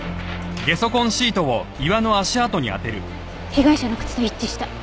被害者の靴と一致した。